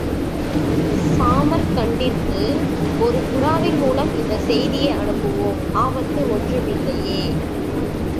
சாமர்கண்டிற்கு, ஒரு புறாவின் மூலம் இந்தச் செய்தியை அனுப்புவோம். ஆபத்து ஒன்றுமில்லையே!